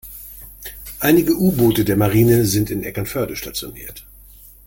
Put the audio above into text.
Einige U-Boote der Marine sind in Eckernförde stationiert.